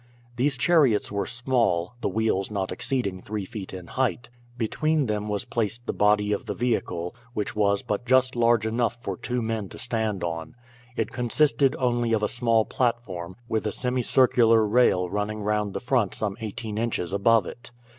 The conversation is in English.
These chariots were small, the wheels not exceeding three feet in height. Between them was placed the body of the vehicle, which was but just large enough for two men to stand on. It consisted only of a small platform, with a semicircular rail running round the front some eighteen inches above it.